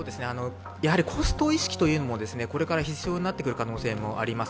コスト意識もこれから必要になってくる可能性もあります。